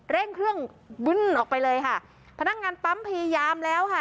เร่งเครื่องบึ้นออกไปเลยค่ะพนักงานปั๊มพยายามแล้วค่ะ